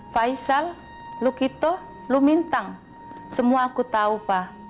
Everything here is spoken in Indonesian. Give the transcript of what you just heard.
faisal lukito lumintang semua aku tahu pak